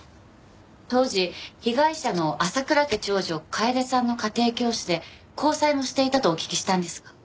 当時被害者の浅倉家長女楓さんの家庭教師で交際もしていたとお聞きしたんですが。